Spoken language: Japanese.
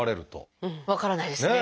分からないですね。